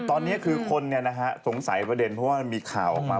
ตอนนี้คือคนสงสัยประเด็นเพราะว่ามันมีข่าวออกมา